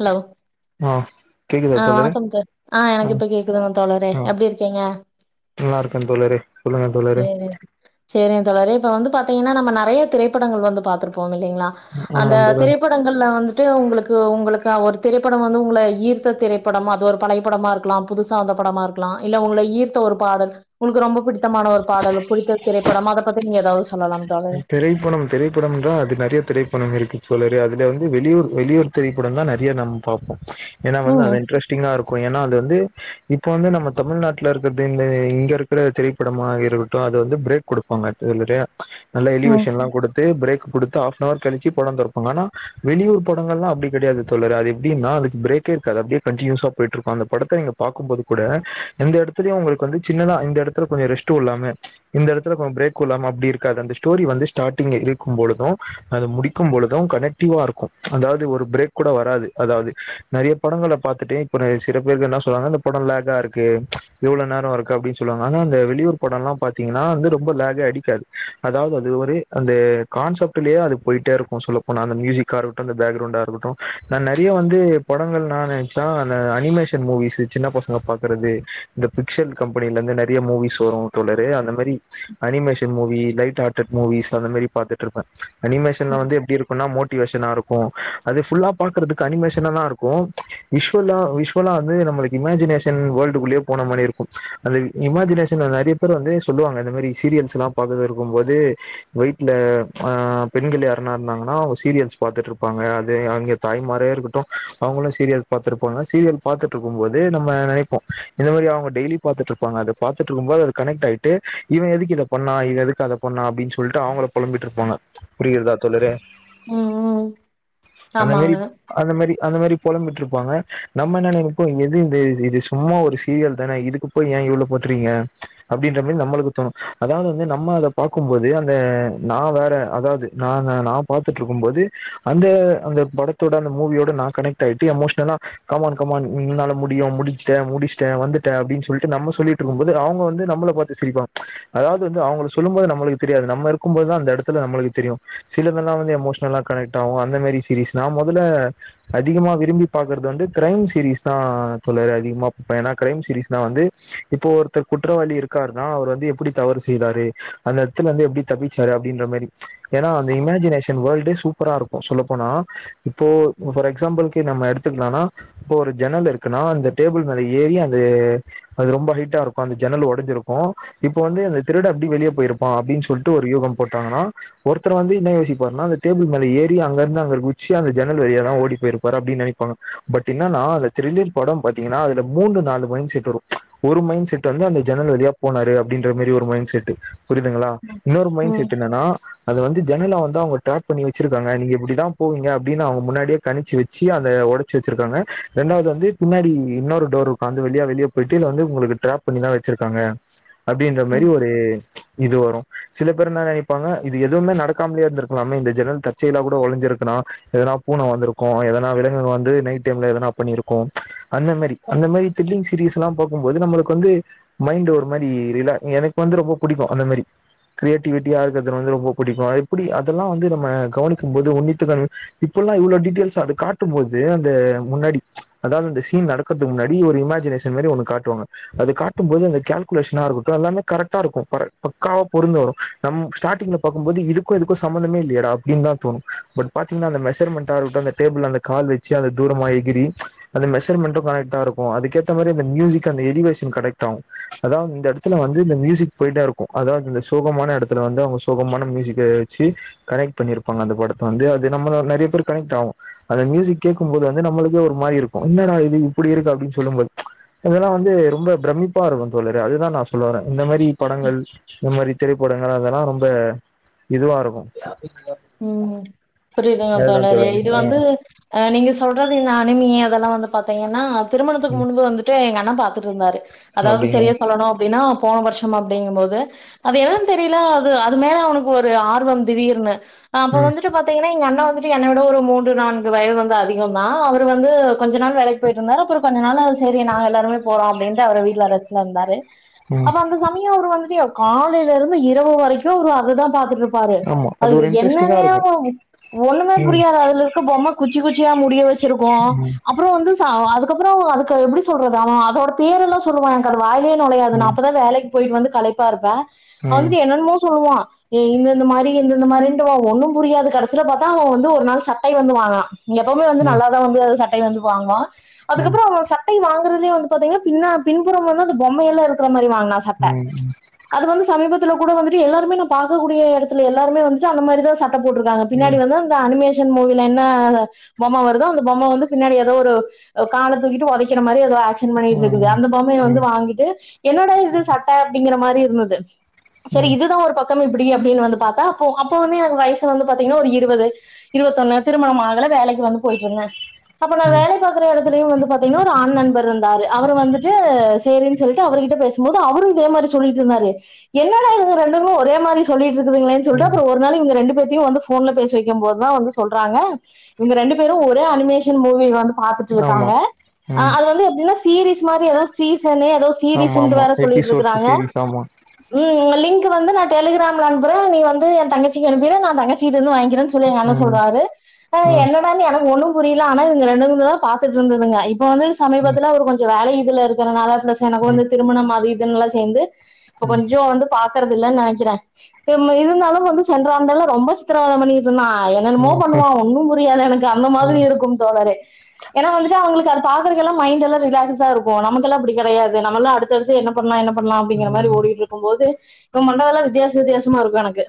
Hello ஆ கேக்குதா ஆ தோழரே வணக்கம் தோ ஆ எனக்கு இப்ப கேக்குதுங்க தோழரே எப்படி இருக்கீங்க நல்லாருக்கே தோழரே சொல்லுங்க தோழரே சரி தோழரே இப்ப வந்து பாத்தீங்கன்னா நம்ம நெறைய திரைடங்கள் வந்து பாத்துருப்போ இல்லலைங்களா அந்த ஆமா தோழரே திரைப்பட டங்கள்ல வந்துட்டு உங்களுக்கு உங்களுக்கு ஒரு திரைப்படம் வந்து உங்கள ஈர்த் த திரைப்படம் அது ஒரு பழைப்படமா இருக்கலா புதுசா அந்த படமா இருக்கலா இல்ல உங்களை ஈர்த்த ஒரு பாடல் உங்களுக்கு ரொம்ப பிடித்தமான ஒரு பாடல் புடித்த திரைப்படம் அதை பத்தி நீங்க ஏதாவது சொல்லலாம் தோழரே திரைப்படம் திரைப்படம்ன்றா அது நெறைய திரைப்படம் இருக்கு தோழரே அதில் வந்து வெளியூர் வெளியூர் திரைப்படம் தா நெறைய நம்ம பாப்போம் ஏன்னா வந்து அந்த ம் இண்ட்ரெஸ்ட் டிங்கனா இருக்கு ஏன்னா அது வந்து இப்ப வந்து நம்ம தமிழ்நாட்ல இருக்கிறது இங்க இருக் திரைப்படமா இருக்கட்டு அது வந்து பிரேக் குடுப்பாங்க அந்த டைம் நல்ல ம் எலிவேஷன்ல்லா குடு தே ப்ரேக் குடுத்து ஆப் நவர் கழிச்சு பட தொறபாங்க ஆனா வெளியூர் படங்கள்லா அப்படி கெடையாது தோழரே அது எப்டினா ப்ரேக்கே இருக்காது அப்டியே கண்டினியுசா போயிட்ருக்கு அந்த படத்த நீங்க பாக்கும்போது கூட எந்த எடத்துலயு உங்களுக்கு வந்து சின்னதா இந்த எடத்துல கொஞ்ச ரெஸ்ட்டு விடலாமே இந்த எடத்துல கொஞ்ச பிரேக் விடலாமா அப்படி இருக்காது அந்த சி ஸ்டோரி வந்துஸ்டார்ட்டிங்ல இருக்கும் பொழுது அது முடிக்கும்பொழுது கனெக்ட் டிவ்வா இருக்கு அதாவது ஒரு ப்ரேக் கூட வராது அதாவது நெறைய படங்கள பாத்துட்டு ஒரு சில பேருக்கு என்ன சொல்லாங்க இந்த படம் லேக இருக்கு இவ்ளோ நேரம் இருக்கு அப்படின்னு சொல்லுவாங்க ஆனா அந்த வெளியூர் படல்லா பாத்தீங்கன்னா வந்து ரொம்ப லேகே அடிக்காது அதாவது ஒரு அந்த கான்செப்ட்லயே அது போயிட்டே இருக்கு சொல்லப்போனா அந்த மியூசிக்க இருக்கட்டு அந்த பேகரவுண்டா இருக்கட்டு நா நெறைய வந்து படங்கள் நா நெனைச்சா அந்த அனிமேஷன் மூவிஸ் சின்ன பசங்க பாக்குறது இந்த பிக்சல் கம்பெனில இருந்து நெறைய மூவிஸ் வரு தோழரே அந்த மாரி அனிமேஷன் மூவி லைட் டாட்டாட் மூவிஸ் அத மாரி பாத்துடற்ருப்பே அனிமேஷன்ல ம் வந்து எப்படி இரு அப்புன்னா மோட்டிவேஷனாருக்கு அது ஃபுல்லா பாக்றதுக்கு அனிமேஷனாதா இருக்கு விஷ்வலா விஷ்வலா அதே நம்மளுக் இமஜினேஷன் வேல்டுகுள்ளே போன மாரிருக்கு அந்த இமஜினேஷன் நெறி பேரு வந்து சொல்லுவாங்க இந்த மெரி சீரியல்ஸ்லா பாக்கதுருக்கும் போது ஒய்ட்ல‌ ஆ பெண்கள் யார்னா இருந்தாங்கன்னா அவங்க சீரியல்ஸ் பாத்துட்ருப்பாங்க அது அவங்க தாய்மாரே இருக்கட்டு அவங்களே சீரியல்ஸ் பாத்துருப்பாங்க சீரியல் பாத்துட்ருக்கும் போது நம்ம நெனைப்போம் இந்த மாரி அவங்க டெய்லி பாத்துட்ருப்பாங்க அத பாத்துட்ருக்கும்போது கனெக்ட் ஆயிட்டு இவ எதுக்கு இத பண்ணா இவ எதுக்கு அத பண்ணா அப்பின்னு சொல்ட்டு அவள பொழம்பிட்டு இரு போங்க புரிகிறதா தோழரே ம் ம் அந்த மேரி ஆமாங்க அத மெரி அத மெரி பொழம்பிட்ப்பாங்க நம்ம என்ன நெனைப்போ எது இந்த இது சும்மா ஒரு சீரியல் தானே இதுக்குப் போய் ஏ இவ்ளோ போட்றீங்க அபடின்ற மெரி நம்மளுக் தோணு அதாவ்து வந்து நம்ம அத பாக்கும்போது அந்த நா வேற அதாவது நா நா நா பாத்துட்ருக்கும் போது அந்த அந்த படத் தோட அந்த மூவியோட நா கனெக்ட்டாய்ட்டு எமோஷ்னலா கமான் கமான் ஒன்னால முடியு முடிச்ட்ட முடிச் ட வந்துட்டே அப்டின் சொல்ட்டு நம்ம சொல்லிட்ருக்கும்போது அவ்ங்க வந்து நம்மள பாத்து சிரிப்பாங்க அதாவது வந்து அவங்களு சொல்லு போது நம்மளுக் தெரியாது நம்மருக்குபோதா அந்த எடத்துல நம்மளுக்கு தெரியு சிலதெலா வந்து எமோஷ்னலா கனெக்ட்டாவு அந்த மெரிஸ் திரிஸ் நா மொதல்ல அதிகமா விரும்பி பாகற்து வந்து க்ரைம் சீரீஸ் தா தோழரே அதிகமா பே னா க்ரைம் சீரீஸ்னா வந்து இப்போ ஒருத்தர் குற்றவாளி இருக்கார்னா அவர் வந்து எப்டி தவறு செய்தாரு அந்த எட்த்துலந்து எப்டி தப்பிச்சாரு அப்டின்ற மாரி ஏனா அந்த இமேஜினேஷன் வேல்டே சூப்பராருக்கு சொல்லப்போனா இப்போ ஃபார் எக்ஸாம்பள்கி நம்ம எடுத்துக்லானா இப்போ ஒரு ஜன்னல் இருக்குனா அந்த டேபுள் மேல ஏறி அது அது ரொம்ப ஹைட்டாருக்கு அந்த ஜன்னல் ஒடஞ்சிருக்கு இப்ப வந்து அந்த திருட எப்டி வெளிய போயிருப்பா அப்டின் சொல்ட்டு ஒரு யூக போட்டாங்கனா ஒருத்தர் வந்து என்ன யோசிப்பார்னா அந்த டேபுள் மேல ஏறி அங்கந்து அங்க குச்சி அந்த ஜன்னல் வழியா தா ஓடி போயிருப்பார் அப்டின் நெனை பாங்க பட் என்னன்னா அந்த திருநீர் படம் பாத்தீங்கனா அதுல மூனு நாலு மைண் செட்டு வரு ஒரு மைண் செட்டு வந்து அந்த ஜன்னல் வழியா போனாரு அப்டின்ற மாரி ஒரு மைண்ட் செட்டு புரியுதுங்ளா ம் இன்னோரு மைண் ம் செட்டு என்னன்னா அது வந்து ஜன்னலா வந்து அவங்க ட்ராக் பண்ணி வெச்சிருகாங்க நீங்க இப்டிதா போவீங்க அப்டின் அவ்ங்க முன்னாட்யே கணிச்சி வெச்சி அத ஒடச்சு வச்சிருகாங்க ரெண்டாவ்து வந்து பின்னாடி இன்னோரு டோரு உக்காந்து அந்த வழியா வெளியே பெட்டில வந்து உங்ளுக்கு ட்ராப் பண்ணிதா வச்சிருக்காங்க அப்டின்ற ம். மெரி ஒரு இது வரு சில பேர் என்னா நெனைப்பாங்க இது எதுவ்மே நடக்காம்லே இருந்துருக்லாமே இந்த ஜன்னல் தற்செயலா கூட ஒடஞ்சிருக்லா எதுனா பூன வந்துருக்கு எதனா விலங்குங்க வந்து நைட் டைம்ல எதுனா பண்ணிருக்கு அந்த மெரி அந்த மெரி த்ரில்லிங் சீரீஸ்லா பாகும்போது நம்மளுக்கு வந்து மைண்டு ஒரு மாரி ரிலா எனக்கு வந்து ரொம்ப புடிக்கு அந்த மெரி க்ரேட்டிவிட்டியா இருக்கற்து வந்து ரொம்ப புடிக்கு எப்டி அதெலா வந்து நம்ம கவனிக்கு போது உன்னித்து க இப்பெல்லா இவ்ளோ டீட்டயல்ஸ் அது காட்டும் போது அந்த முன்னாடி அதாவ்து இந்த சீன் நடக்கற்து முன்னாடி ஒரு இமஜினேஷன் மெரி ஒண்ணு காட்டுவாங்க அது காட்டுபோது அந்த கேல்குலேஷ்னாருக்ட்டு எல்லாமே கரெக்டாருக்கு பக்காவா பொருந்து வரு நம் ஸ்டாடிங்ல பாக்கும்போது இதுக்கு இதுக்கு சம்மந்தமே இல்லியடா அப்டின் தா தோணு பட் பாத்தீங்னா அந்த மெஷர்மெண்ட்டா இருக்டு அந்த டேபுள்ல அந்த கால் வச்சி அந்த தூரமா எகிறி அந்த மெஷர்மெண்ட்டு கனெட்டாருக்கு அதுக்கேத்த மெரி அந்த மியூசிக் அந்த எலிவேஷனு கனெக்டாவு அதாவ் இந்த எட்த்துல வந்து இந்த மியூசிக் பொய்டாரு இங்கு அதாவ்து இந்த சோகமான எடத்துல வந்து அவ்ங்க சோகமான மியூசிக்க வச்சி கனெக்ட் பண்ணிருப்பாங்க அந்த படத்த வந்து அது நம்மளோ நெறய பேரு கனெட்டாவு அந்த மியூசிக் கேக்கும்போது வந்து நம்மளுக்கே ஒரு மாரிருக்கு என்னடா இது இப்புடிருக்கு அப்டின் சொல்லும்போது இதெலா வந்து ரொம்ப ப்ரமிப்பாருக்கு தோழரே அதுதா நா சொல்ல வரே இந்த மெரி படங்கள் இந்த மாரி திரைப்படங்கள் அதெலா ரொம்ப இதுவாருக்கு ம் ப்ரியுதுங்க தோழரே இது வந்து அ நீங்க சொல்றது இந்த அனுமி அதெலா வந்து பாத்தீங்கன்னா திருமணத்துக்கு ம் முன்பு வந்துட்டு எங்க அண்ண பாத்துட்ருந்தாரு அதாவ்து அப்டிங்களா செரியா சொல்லணு அப்டின்னா போன வர்ஷம் அப்டிங்குபோது அது எதுன் தெரில அது அது மேல அவனுக் ஒரு ஆர்வம் திடீர்னு அப்ப ம் வந்துட்டு பாத் தீங்கனா எங்க அண்ணா வந்துட்டு என்ன விட ஒரு மூன்று நான்கு வயது வந்து அதிகதா அவர் வந்து கொஞ்ச நாள் வேலக் போயிட்ருந்தாரு அப்புறம் கொஞ்ச நாள் சரி நாங்க எல்லாரு போறோ அப்படின்ட்டு அவர் வீட்டுல ரெஸ்ட்ல இருந்தாரு ம் அப்ப அந்த சமயம் அவரு வந்துட்டா காலையில இருந்து இரவு வரைக்கு அவரு அதைதா பாத்துட்டு இருப்பாரு ஆமா பாரு ஒரு அது இன்ட்ரெஸ்டிங்கா என்னனே இருக்கு ஒன்னுமே ம் புரியாது அதுல இருக்க பொம்மை குச்சி குச்சியா முடிய வச்சிருக்கு ம் அப்புற வந்து அதுக்கப்புற அதுக்கு எப்படி சொல்றது அவன் அதோட பேர் எல்லா சொல்லுவ எனக்கு அது வாயிலே நொலயாது நா ம் அப்பதா வேலைக்கு போயிட்டு வந்து களைப்பா இருப்பே ம் வந்துட்டு என்னென்னுமோ சொல்லுவா இந்த இந்த மாரி இந்த இந்த மாரி ஒன்னு புரியாது கடைசில பாத்தா அவன் வந்து ஒரு நாள் சட்டை வந்து வாங்குனா எப்பவுமே வந்து ம் நல்லாத வந்து சட் டை வந்து வாங்குவா ம் ம் அதுக்கப்புற சட்டை சட்டய வாங்குறதுலயே வந்து பாத்தீங்கன்னா பின்னா பின்புறமாதா அந்த பொம்மை எல்லா இருக்குற மாரி வாங்கனா சட்ட ம் அது வந்து சமீபத்துல கூட வந்துட்டு எல்லாருமே நா பாக்க கூடிய எடத்துல எல்லாருமே வந்துட்டு அந்த மாரிதா சட் சட்ட போட்ருக்காங்க பின்னாடி ம் வந்து இந்த அனிமேஷன் மூவில என்ன பொம்ம வருதோ அந்த பொம்ம வந்து பின்னாடி எதோ ஒரு கால தூக்கிட்டு உதக்கிற மாதிரி எதோ ஆக்ஸ இது பண்ணிட்டு இருக்குது அந்த பொம்மைய ம் வந்து ம் வாங்கிட்டு என்னோட இது சட்ட அப்டீங்கிற மாதிரி இருந்தது ம் செரி இதுதா ஒரு பக்கம் இப்புடி அப்புடின்னு வந்து பாத்தா அப்போ அப்ப வந்து எனக்கு வயசு வந்து பாத்தீங்கன்னா ஒரு இருவது இருவத்தொன்னு திருமணமாகல வேலைக்கு வந்து போயிட்டு இருந்தே அப்ப நா ம் வேலைக் பாக்குற எடத்திலையு வந்து பாத்தீங்கன்னா ஒரு ஆண் நண்பர் இருந்தாரு அவரு வந்துட்டு சேரினு சொல்லிட்டு அவர்கிட்ட பேச போது அவரு இதே மாதிரி சொல்லிட்டு இருந்தாரு என்னடா இதுங்க ரெண்டுமு ஒரே மாதிரி சொல்லிட்டு இருக்குங்களேன்னு சொல்ட் ம் ஒரு நாளு இவங்க ரெண்டு பேத்தையு வந்து ஃபோன்ல பேச வைக்கும் போதுதா வந்து சொல்றாங்க இவங்க ரெண்டு பேரு ஒரே அனிமேஷன் மூவி வந்து ஆமா பாத்துட்ருக்காங்க ம் அது வந்து எப்டீன்னா சீரீஸ் மாதிரி ஏதோ சீசனு ஏதோ ஆமா ஆமா சீரிஸ்ன்னுட் எபிசோட்ஸ் சொல்லிட்ருக்கறாங்க சீரீஸ் ஆமா ம் உங்க லிங்க்கு வந்து நா டெலிகிராம்ல அனுப்பற நீ வந்து ஏ தங்கச்சிக்கு அனுப்பிறு நா தங்கச்சிட்டு இருந்து வாங்கிறே சொல்லிரு எங்க அண்ண ம் சொல்றாரு ம் என்னடான்னு எனக்கு ஒண்ணு புரியுல ஆனா இங்க ரெண்டு பாத்துட்டு இருந்ததுங்க இப்ப வந்து ம் சமீபத்துல ஒரு கொஞ்சோ வேல இதுல இருக் இத்தன நாளா இர்ந்த சேனவோ ம் இந்த திருமணமாகி இத்தன நாளா சேந்து இப்ப கொஞ்சோ வந்து பாக்குறது இல்லன்னு நெனைக்கிறே இருந்தாலு இப்போ வந்து சென்ற ஆண்டுல்லா ரொம்ப சித்திரவாத பண்ணிக்கிட்டு இருந்தா என்ன என்னமோ ம் பண்ணுவா ஒன்னு புரியாது எனக்கு அந்த மாதிரி ம் இருக்கும் தோழரே ஏன்னா வந்துட்டு அவுங்குளுக்கு அது பாக்குறதுக்கெல்லா மைண்டெல்லா ரிலாக்ஸ்ஸா இருக்கோ நமக்கெல்லா அப்படி கெடையாது நம்மல்லா அடுத் தடுத்து என்ன பண்லா என்ன பண்லா அப்டீங்கிற ம் மாரி ம் ஓடிட்ருக்கும் போது இவ பண்றதெல்லா வித்தியாச வித்தியாசமா இருக்கோ எனக்கு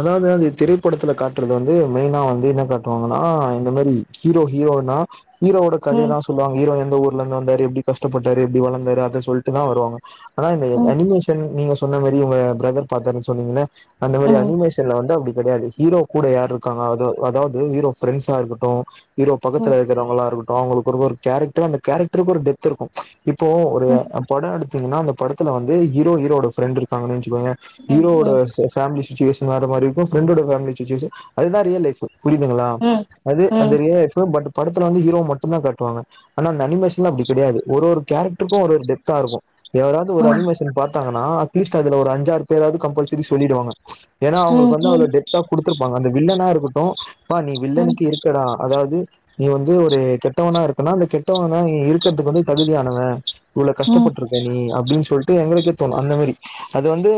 அதாவது அந்த திரைப்படத்துல காட்டுறது வந்து மெயினா வந்து என்ன காட்டுவாங்கன்னா இந்த மாரி ஹீரோ ஹீரோனா ஹீரோவோட ம் கதையதா சொல்வாங்க ஹீரோ எந்த ஊர்லந்து வந்தாரு எப்டி கஷ்டப்பட்டாரு எப்டி வளந்தாரு அத சொல்ட்டுதா வருவாங்க ஆனா இந்த ம் அனிமேஷன் நீங்க சொன்ன மாரி உங்க பிரதர் பாத்தாருன்னு சொன்னீங்கல்ல அந்த மாரி அனி ம் மேஷன்ல வந்து அப்டி கெடையாது ஹீரோ கூட யாரு இருக்காங்க அதா அதாவது ஹீரோ பிரெண்ட்ஸா இருக்கட்டோ ஹீரோ ம் பக்கத்துல இருக்குறவங்களா இருக்கட்டோ அவுங்குளுக்கு ஒரு ஒரு கேரக்டர் அந்த கேரக்டருக்கு ஒரு டெப்த்து இருக்கோ இப்போ ஒரு ம் படோ எடுத்தீங்கன்னா அந்த படத்துல வந்து ஹீரோ ஹீரோட ஃப்ரெண்டு இருக்காங்கன்னு வெச்சிக்கோய ஹீரோவோட ம் ஃபேமிலி சுச்சுவேஷன் வேற மாதிரி இருக்கோ ஃப்ரண்டோட சுச்சுவேஷன் வேற மாரி அதுதா ரியல் லைஃபு புரியுதுங்களா ம் அது ம் ம் அது ரியல் லைஃபு பட்டு படத்துல வந்து ஹீரோ மட்டுந்தா காட்டுவாங்க ஆனா அந்த அனிமேஷன்லா அப்டி கெடையாது ஒரு கேரக்டருக்கோ ஒரு ஒருடெப்தா இருக்கோ யாராவது ஒரு அனிமேஷன் பாத்தாங்கன்னா அட்லீஸ்ட் அதுல ஒரு அஞ்சாறு பேராாவது கம்பல்சரி சொல்லிடுவாங்க ஏன்னா ம் அவுங்குளுக்கு ம் வந்து அவ்ளோ டெப்தா குடுத்துருப்பாங்க அந்த வில்லனா இருக்கட்டோ அப்பா நீ ம் வில்லனுக்கு இரு க்கடா அதாவது நீ வந்து ஒரு கெட்டவனா இருக்கனா அந்த கெட்டவனா நீ இருக்கிறதுக்கு வந்து தகுதியானவ இவ்ளோ ம் கஷ்டப்பட்ருக் க நீ அப்டீன்னு சொல்லிட்டு எங்குளுக்கே தோணு அந்த மேரி அது வந்து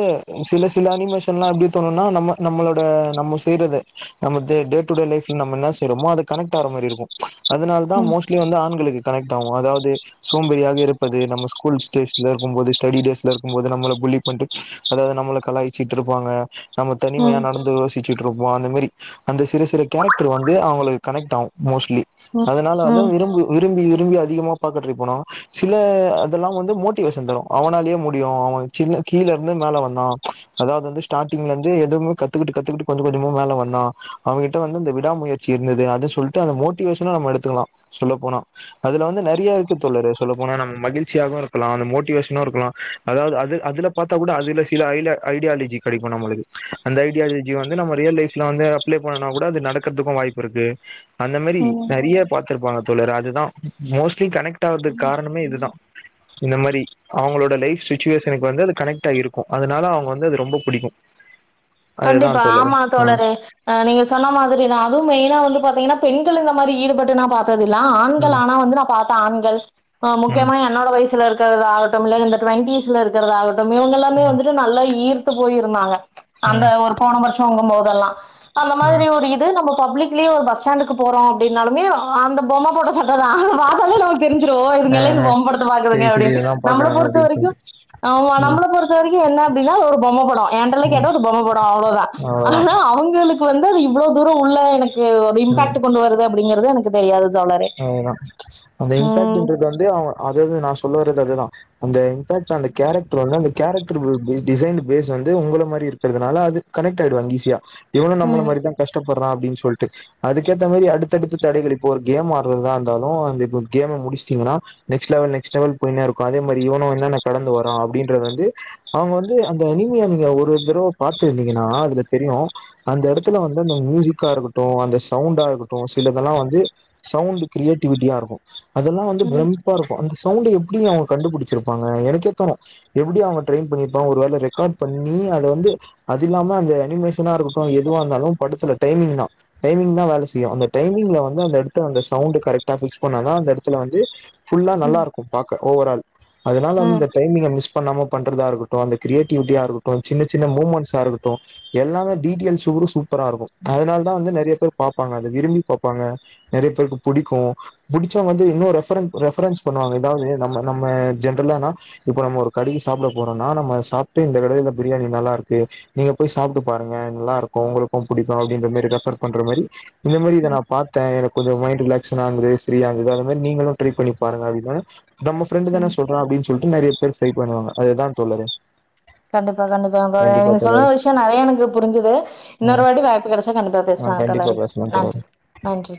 சில சில அனிமேஷன்லா அப்டி தோணுனா நம்ம நம்மளோட நம்ம செய்யுறத நம்ம டே டே டுடே லைஃபுல நம்ம என்ன செய்யுறமோ அது கனெக்ட்டாற மாரி இருக்கோ அதனாலதா மோஸ்ட் லீ வந்து ஆண்களுக்கு கனெக்டாவோ அதாவது சோம்பறியாக இருப்பது நம்ம ஸ்கூல் டேஸ்ல இருக்கும் போது ஸ்டடி டேஸ்ல இருக்கும் போது நம்பள புல்லி பண்ட்டு அதாவது நம்மள கலாய்சச்சிட்ருப்பாங்க நம்ம தனிமையா ம் நடந்து யோசிச்சுட்டு இருப்போ அந்த மேரி அந்த சிறு சிறு கேரக்டர் வந்து அவுங்குளுக்கு கனெக்ட்டாவோ மோஸ்ட்லி அதனால வந்து ம் ம் விரும் விரும்பி விரும்பி அதிகமா பாக்க ட்ரை பண்ணவா சில அதெல்லா வந்து மோட்டிவேஷன் தரு அவனாலேயே முடியு அவன் சின்ன கீழ இருந்து மேல வந்தா அதாவுது வந்து ஸ்டார்டிங்ல இருந்து எதுவுமே கத்துக்கிட்டு கத்துக்கிட்டு கொஞ்சோ கொஞ்சோமா மேல வந்தான் அவங்கிட்ட வந்து இந்த விடாம முயற் சி இருந்துது அத சொல்ட்டு அத மோட்டிவேஷனா நம்ம எடுத்துக்குலா சொல்ல போனா அதுல வந்து நெறைய இருக்கு தோழலுரு சொல்ல போனா நம்ம மகிழ்ச்சியாகவு இருக்குலா அந்த மோட்டிவேஷனாவு இருக்கலா அதாவுது அது அதுல பாத்தா கூட அதுல சில ஐ ஐடியாலஜி கெடைக்கு நம்மளுக்கு அந்த ஐடியாலஜி வந்து நம்ம ரியல் லைஃப்ல வந்து அப்ளே பண்ணுனா கூட அது நடக்குறதுக்கு வாய்ப்பு இருக்கு அந்த மேரி ம் நெறைய பாத்துருப்பாங்க தோழரே அதுதா மோஸ்ட்லி கனெக்ட் ஆகுறதுக்கு காரணமே இதுதா இந்த மாரி அவுங்களோட லைஃப் சுச்சுவேஷனுக்கு வந்து அது கனெக்ட் ஆகி இருக்கு அதுனால அவுங்க வந்து அது ரொம்ப புடிக்கு அதுதா கண்டிப்பா தோழரே ஆமா ஆ தோழரே நீங்க சொன்ன மாதிரிதா அது மெயினா வந்து பாத்தீங்கன்னா பெண்கள் இந்த மாரி ஈடுபட்டு நா பாத் ததில்ல ஆனா ஆண்கள் ம் ஆனா வந்து நா பாத்த ஆண்கள் ம் முக்கியமான என்னோட வயசுல இருக்குறதாகட்டு இ இந்த டூவெண்டிஸ்ல இருக்கிறாதாகட்டு இவுங்க எல்லா ம் வந்துட்டு நல்ல ஈற் தத்து போயிருந்தாங்க அந்த ம் ஒரு போன வருஷோ வாங்குபோதெல்லா அந்த மாதிரி ம் ஒரு இது நம்மக்கு பப்ளிக்லியு ஒரு பஸ் ஸ்டாண்டுக்கு போறோ அப்டின்னாலுமே அந்த பொம்மா போட்ட சட் ட்ட அதா பாத்தாலே நமக்கு தெரிஞ்சிரு இது ஆ எல்லா இந்த ஆ பொம்மப்படத்த பாக்குதுங்க செரி செரி அப்டின்னு இதெல்லா நம்மளை பாக்குறாங்க பொறுத்த அப்டின்னு வரைக்கு சொல்ட்டு ஆமா ம் நம்மள பொறுத்த வரைக்கு என்ன அப்டின்னா ஒரு பொம்மை படோ என்டேல்லா ம் கேட்டா பொம்மபடோ அவ்ளோ தா அவ்ளோதா ஆனா அவுங்களுக்கு வந்து அது இவ்ளோ தூரோ உள்ள எனக்கு இம்பேட் கொண்டு வருது அப்டிங்கிறது எனக்கு தெரியாது தோழரே அதேதா அந்த ம் இம்பாக்ட்ன்றது வந்து அவுங் அதேதா நா சொல்ல வர்றது அதேதா அந்த இம்பேக்ட் அந்த கேரக்டர் வந்து அந்த கேரக்டரபிள் டிசைன்டு பேஸ் வந்து உங்க மாரி இருக்கு இருக்கறதுனால அது கனெக்ட் ஆயிடுவாங்க ஈஸியா இவனு நம்மள ம் மாரிதா கஷ்டப்படுற சொல்ட்டு அதுக்கேத்த மாதிரி அடுத்தெடுத்து தடைகள் இப்போ இருக்கு கேம் ஆடுறதுதா இருந்தாலு அந்த கேம் முடிச்சிட்டீங்கன்னா நெக்ஸ்ட் லெவல்நெக்ஸ்ட் லெவல் போயினே இருக்கு அதே மாதிரி இவனு என்னென்ன கடந்து வரா அப்டின்றது வந்து அவங்க வந்து அந்த இனிமையா நீங்க ஒரு தடவ பாத்து இருந்தீங்கன்னா அதுல தெரியு அந்த எடத்துல வந்து அந்த மியூசிக்கா இருக்கட்டு அந்த சவுண்டா இருக்கட்டு சிலதெல்லா வந்து சவுண்ட் கிரியேட்டிவிட்டியா இருக்கு அதெல்லா வந்து ம் விரும் அப்பா இருக்கு அந்த சவுண்ட எப்டி அவுங்க கண்டுபிடிச்சிருப்பாங்க எனக்கே தோனு எப்டி அவுங்க ட்ரையின் பண்ணியிருப்பாங்க ஒரு வேல ரெக்கார்ட் பண்ணி அத வந்து அது இல்லாம அந்த அனிமேஷனா இருக்கட்டு எதுவா இருந்தாலு படத்துல டைமிங் தா டைமிங் தா வேல செய்யு அந்த டைமிங்ல வந்து அந்த எடத் த்த அந்த சவுண்ட் கரெட்கா பிக்ஸ் பண்ணாத அந்த எடத்துல வந்து எல்லா நல்லா ம் இருக்கும் ப ஓவரால் அதுனால வந்து ம் இந்த டைமிங்க மிஸ் இப்ப நம்ம பண்றதாருக்கட்டு அந்த கிரியேட்டிவிட்டியா இருக்கட்டு சின்ன சின்ன மூமெண்ஸ்ஸா இருக்கட்டு எல்லாமே டீட்டெயல் சுரு சூப்பரா இருக்கு அதனால தா வந்து நெறைய பேர் பாப்பாங்க அத விரும்பி பாப்பாங்க நெறைய பேருக்கு புடிக்கு முடிச்சவங்க வந்து இன்னோ ரெபரன் ரெஃபரன்ஸ் பண்ணுவாங்க எதாவுது நம்ம நம்ம ஜென்ரலானா இப்ப நம்ம ஒரு கடியில சாப்பிட போறோனா நம்ம சாப்பிட்டு இந்த கடையில பிரியாணி நல்லா இருக்கு நீங்க போய் சாப்பிட்டு பாருங்க நல்லா இருக்கு உங்களுக்கு புடிக்கு அப்படின்ற மேரி ரெஃபர் பண்ற மாரி இந்த மாதிரி இத ம் நா பாத்த எனக்கு கொஞ்சோ மைண்டு ரிலாக்சன் ஆக இருந்தது ஃப்ரீய இருந்தது அது மாரி நீங்களு ட்ரை பண்ணி பாருங்க அப்டின் நம்ம ஃப்ரெண்ட் தா ம் சொல்றா அப்டின்னு சொல்ட்டு நெறைய பேர் ட்ரை பண்ணுவங்க அதேதா தோழறே கண்டிப்பா கண்டிப்பா நீங்க சொன்ன தோழரே விஷியோ நெறைய எனக்கு புரிஞ்சுது ம் இன்னொருவாட்டி வாய்ப்பு கெடைச்சா கண்டிப்பா ஆ பேசுவங்க கண்டிப்பா தோழரே பேசலா தோழரே நன்றி நன்றி